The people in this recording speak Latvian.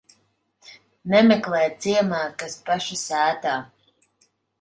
Nemeklē ciemā, kas paša sētā.